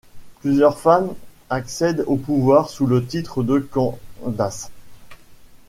Plusieurs femmes accèdent au pouvoir sous le titre de candace.